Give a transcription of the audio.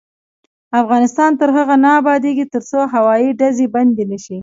افغانستان تر هغو نه ابادیږي، ترڅو هوایي ډزې بندې نشي.